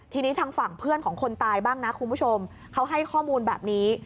ทีนี้ทางฝั่งเพื่อนของคนตายบ้างนะคุณผู้ชมเขาให้ข้อมูลแบบนี้